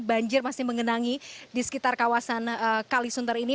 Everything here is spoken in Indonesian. banjir masih mengenangi di sekitar kawasan kalisunter ini